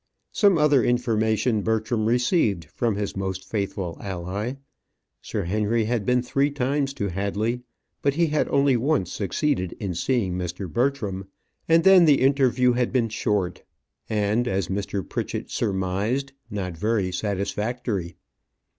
Some other information Bertram received from his most faithful ally. Sir Henry had been three times to Hadley, but he had only once succeeded in seeing Mr. Bertram, and then the interview had been short, and, as Mr. Pritchett surmised, not very satisfactory.